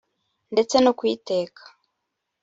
ndetse no kuyiteka